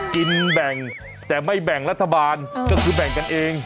กินแบ่งแต่ไม่แบ่งรัฐบาลก็คือแบ่งกันเอง